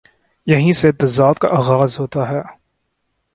یہیں سے تضاد کا آ غاز ہو تا ہے۔